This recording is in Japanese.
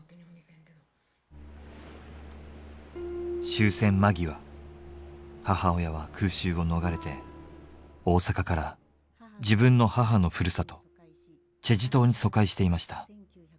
終戦間際母親は空襲を逃れて大阪から自分の母の故郷済州島に疎開していました。